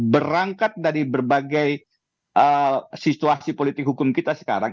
berangkat dari berbagai situasi politik hukum kita sekarang